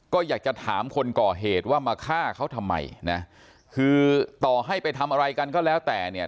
ก็อยากจะถามคนก่อเหตุว่ามาฆ่าเขาทำไมนะคือต่อให้ไปทำอะไรกันก็แล้วแต่เนี่ย